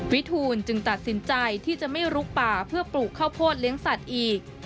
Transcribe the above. วิทูลจึงตัดสินใจที่จะไม่ลุกป่าเพื่อปลูกข้าวโพดเลี้ยงสัตว์อีก